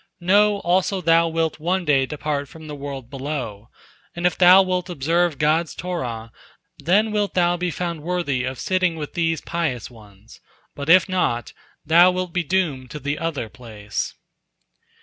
Know, also thou wilt one day depart from the world below, and if thou wilt observe God's Torah, then wilt thou be found worthy of sitting with these pious ones. But if not, thou wilt be doomed to the other place."